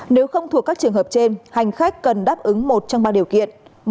nếu không thuộc các trường hợp trên hành khách cần đáp ứng một trong ba điều kiện